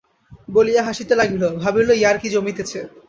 বলিয়া হাসিতে লাগিল, ভাবিল, ইয়ার্কি জমিতেছে।